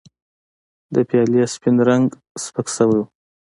د پیالې سپین رنګ سپک شوی و.